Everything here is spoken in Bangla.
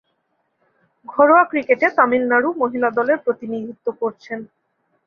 ঘরোয়া ক্রিকেটে তামিলনাড়ু মহিলা দলের প্রতিনিধিত্ব করছেন।